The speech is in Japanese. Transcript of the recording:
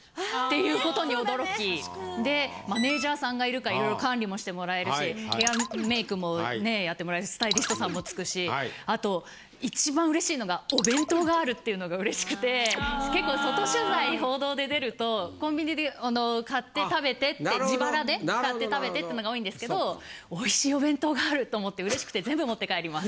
マネージャーさんがいるからいろいろ管理もしてもらえるしヘアメイクもやってもらえるしスタイリストさんもつくしあと一番嬉しいのがお弁当があるっていうのが嬉しくて結構外取材に報道で出るとコンビニで買って食べてって自腹で買って食べてってのが多いんですけどおいしいお弁当があると思って嬉しくて全部持って帰ります。